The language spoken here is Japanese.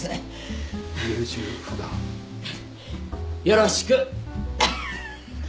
よろしく。